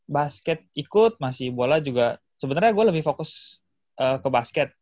basket ikut masih bola juga sebenarnya gue lebih fokus ke basket